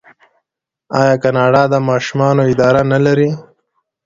آیا کاناډا د ماشومانو اداره نلري؟